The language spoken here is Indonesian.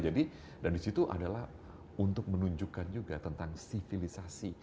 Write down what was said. jadi dan di situ adalah untuk menunjukkan juga tentang sivilisasi